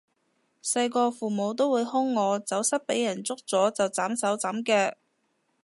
細個父母都會兇我走失畀人捉咗就斬手斬腳